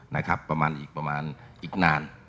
นะครับประมาณอีกประมาณอีกนาน